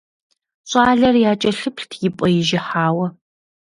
Щӏалэр якӀэлъыплът и пӀэ ижыхьауэ.